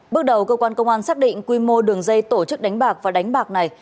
bước đầu cơ quan công an xác định quy mô đường dây tổ chức đánh bạc và đánh bạc này